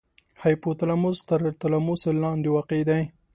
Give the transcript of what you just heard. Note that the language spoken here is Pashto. هایپو تلاموس تر تلاموس لاندې واقع دی.